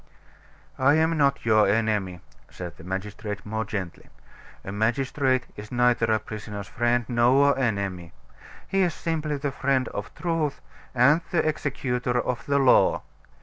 "I am not your enemy," said the magistrate more gently. "A magistrate is neither a prisoner's friend nor enemy, he is simply the friend of truth and the executor of the law.